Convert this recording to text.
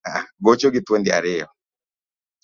Gocho gi thuondi ariyo